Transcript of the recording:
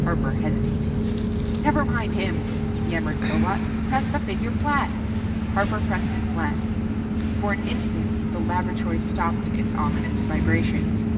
Harper hesitated. "Never mind him," yammered Pillbot. "Press the figure flat!" Harper pressed it flat. For an instant the laboratory stopped its ominous vibration.